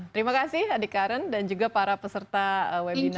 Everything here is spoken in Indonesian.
terima kasih adik karen dan juga para peserta webinar yang lainnya